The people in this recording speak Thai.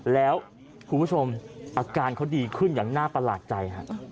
แล้วคุณผู้ชมอาการเขาดีขึ้นอย่างน่าประหลาดใจ